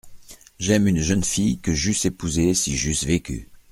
J'aime une jeune fille que j'eusse épousée si j'eusse vécu.